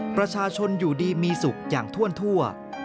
ประชาชนอยู่ดีมีสุขอย่างท่วนทั่ว